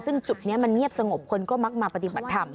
ซึ่งจุดนี้มันเงียบสงบคนก็มักมาปฏิบัติธรรม